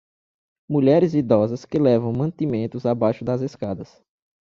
Mulheres idosas que levam mantimentos abaixo das escadas.